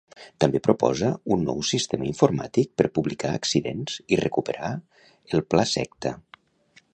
També proposa un nou sistema informàtic per publicar accidents i recuperar el Plaseqta.